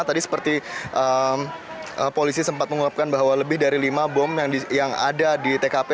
tadi seperti polisi sempat menguapkan bahwa lebih dari lima bom yang ada di tkp